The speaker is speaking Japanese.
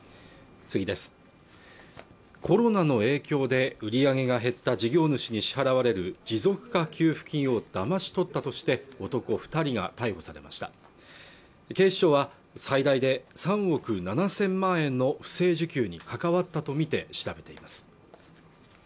コロナの影響で売り上げが減った事業主に支払われる持続化給付金をだまし取ったとして男二人が逮捕されました警視庁は最大で３億７０００万円の不正受給に関わったとみて調べています